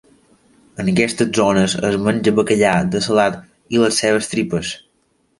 En aquestes zones es menja bacallà dessalat i les seves tripes.